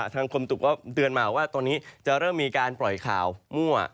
ทางกรมตุกก็เตือนมาว่าตอนนี้จะเริ่มมีการปล่อยข่าวมั่ว